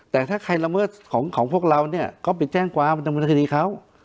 แต่ถ้าใครละเมิดของพวกเราก็ไปแจ้งกวามันคือนิคเขา